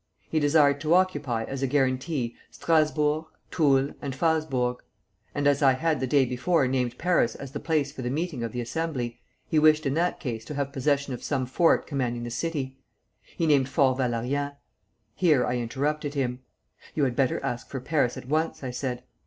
He desired to occupy, as a guarantee, Strasburg, Toul, and Phalsbourg; and as I had the day before named Paris as the place for the meeting of the Assembly, he wished in that case to have possession of some fort commanding the city. He named Fort Valérien. Here I interrupted him. 'You had better ask for Paris at once,' I said.